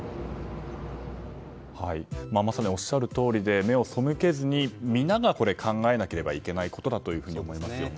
まさにおっしゃるとおりで目を背けずに皆が考えなければいけないことだと思いますよね。